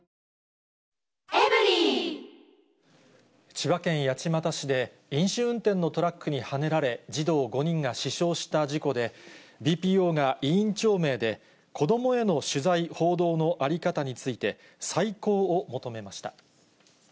千葉県八街市で、飲酒運転のトラックにはねられ、児童５人が死傷した事故で、ＢＰＯが委員長名で、子どもへの取材・報道の在り方について、再考を求めました。